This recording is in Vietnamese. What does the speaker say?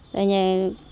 giúp đỡ những hộ